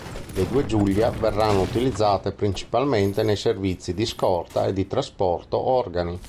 Le due Giulia verranno utilizzate principalmente nei servizi di scorta e di trasporto organi.